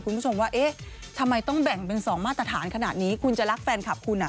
คุณผู้ชมว่าเอ๊ะทำไมต้องแบ่งเป็น๒มาตรฐานขนาดนี้คุณจะรักแฟนคลับคุณอ่ะ